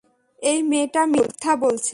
এই মেয়েটা মিথ্যা বলছে।